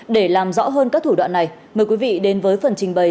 để làm rõ hơn các thủ đoạn này mời quý vị đến với phần trình bày